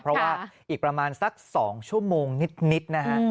เพราะว่าอีกประมาณสัก๒ชั่วโมงนิดนะฮะ